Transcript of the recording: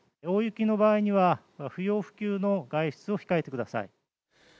大雪の場合には、不要不急の外出を控えてください。